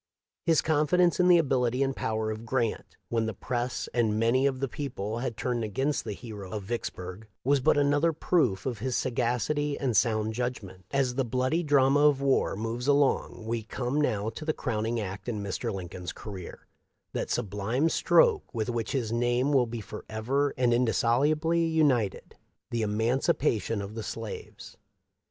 His confidence in the ability and power of Grant, when the press and many of the people had turned against the hero of Vicks burg, was but another proof of his sagacity and sound judgment. THE LIFE OF LINCOLN. 547 As the bloody drama of war moves along we come now to the crowning act in Mr. Lincoln's career — that sublime stroke with which his name will be forever and indissolubly united — the emanci pation of the slaves.